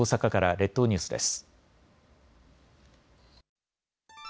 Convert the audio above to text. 列島ニュースです。